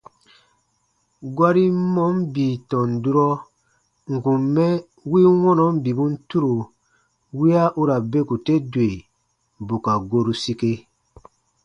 Gɔrin mɔɔn bii tɔn durɔ n kùn mɛ win wɔnɔn bibun turo wiya u ra beku te dwe bù ka goru sike.